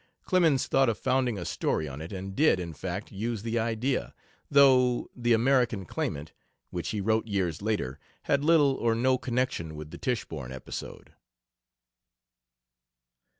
Clemens thought of founding a story on it, and did, in fact, use the idea, though 'The American Claimant,' which he wrote years later, had little or no connection with the Tichborn episode.